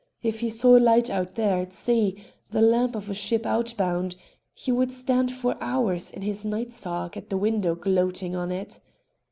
If he saw a light out there at sea the lamp of a ship outbound he would stand for hours in his night sark at the window gloating on it.